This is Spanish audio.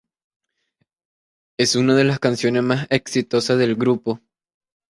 Es una de las canciones más exitosas del grupo.